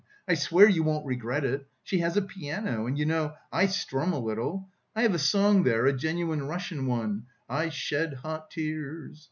I swear you won't regret it. She has a piano, and you know, I strum a little. I have a song there, a genuine Russian one: 'I shed hot tears.